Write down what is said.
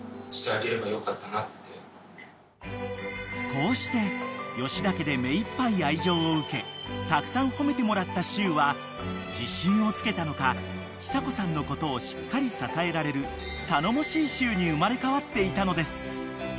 ［こうして吉田家で目いっぱい愛情を受けたくさん褒めてもらったしゅうは自信をつけたのか久子さんのことをしっかり支えられる頼もしいしゅうに生まれ変わっていたのです］